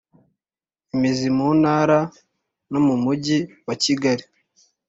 imizi mu Ntara no mu Mujyi wa Kigali